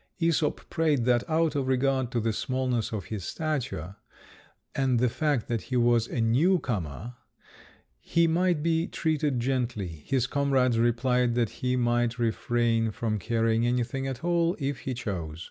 Æsop prayed that, out of regard to the smallness of his stature, and the fact that he was a new comer, he might be treated gently; his comrades replied that he might refrain from carrying anything at all, if he chose.